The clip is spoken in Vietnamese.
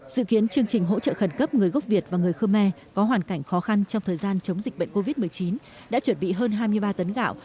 dự kiến chương trình hỗ trợ khẩn cấp người gốc việt và người khơ me có hoàn cảnh khó khăn trong thời gian chống dịch bệnh covid một mươi chín đã chuẩn bị hơn hai mươi ba tấn gạo